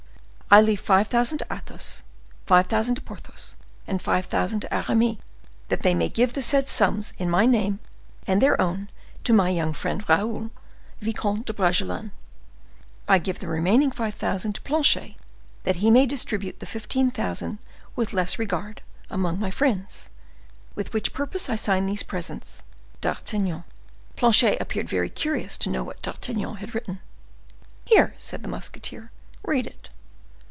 I leave five thousand to Athos, five thousand to Porthos, and five thousand to Aramis, that they may give the said sums in my name and their own to my young friend Raoul, Vicomte de Bragelonne. I give the remaining five thousand to Planchet, that he may distribute the fifteen thousand with less regret among my friends. With which purpose I sign these presents.—D'ARTAGNAN." Planchet appeared very curious to know what D'Artagnan had written. "Here," said the musketeer, "read it."